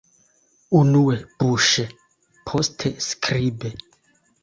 Unue buŝe, poste skribe.